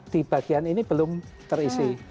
di bagian ini belum terisi